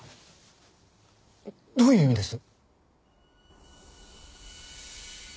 どういう意味です？